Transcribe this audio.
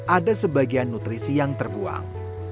ada sebagian nutrisi yang terbuang